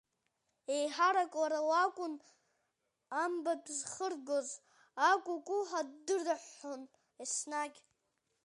Еиҳарак лара лакәын амбатә зхыргоз, акәыкәыҳәа ддырҳәҳәон еснагь.